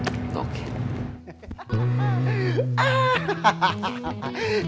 cari jodoh akhirnya dapat juga